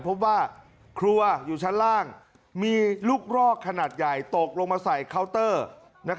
พบว่าครัวอยู่ชั้นล่างมีลูกรอกขนาดใหญ่ตกลงมาใส่เคาน์เตอร์